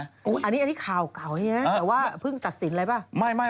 อันนี้ข่าวอย่างนี้นะแต่ว่าพึ่งตัดสินอะไรเปล่า